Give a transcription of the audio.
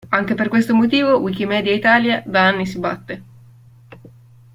Anche per questo motivo, Wikimedia Italia da anni si batte.